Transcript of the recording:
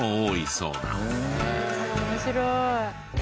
面白い！